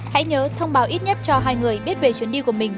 hãy nhớ thông báo ít nhất cho hai người biết về chuyến đi của mình